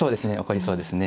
そうですね。